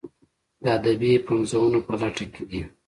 د ادبي پنځونو په لټه کې دي.